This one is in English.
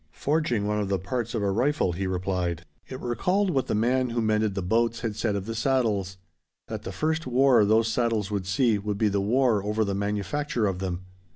"Forging one of the parts of a rifle," he replied. It recalled what the man who mended the boats had said of the saddles: that the first war those saddles would see would be the war over the manufacture of them.